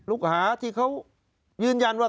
ลูกหาที่เขายืนยันว่า